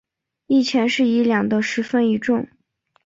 一钱是一两的十分一重。